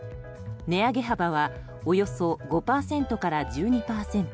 値上げ幅はおよそ５％から１２％。